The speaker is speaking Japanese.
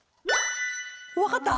わかった？